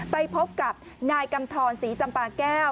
ไปพบกับนายกำทรศรีจำปาแก้ว